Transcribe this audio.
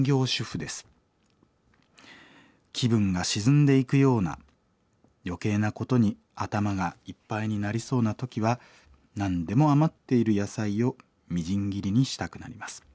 気分が沈んでいくような余計なことに頭がいっぱいになりそうな時は何でも余っている野菜をみじん切りにしたくなります。